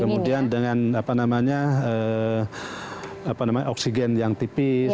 kemudian dengan apa namanya apa namanya oksigen yang tipis